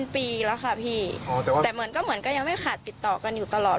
ปีแล้วค่ะพี่แต่เหมือนก็เหมือนก็ยังไม่ขาดติดต่อกันอยู่ตลอด